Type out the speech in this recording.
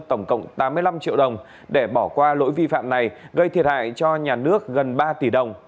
tổng cộng tám mươi năm triệu đồng để bỏ qua lỗi vi phạm này gây thiệt hại cho nhà nước gần ba tỷ đồng